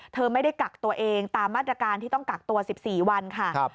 เธอไม่ได้กักตัวเองตามมาตรการที่ต้องกักตัว๑๔วันค่ะ